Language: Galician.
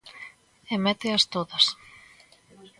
E méteas todas.